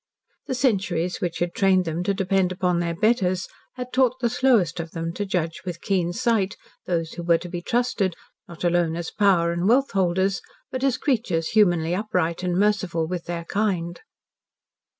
The centuries which had trained them to depend upon their "betters" had taught the slowest of them to judge with keen sight those who were to be trusted, not alone as power and wealth holders, but as creatures humanly upright and merciful with their kind.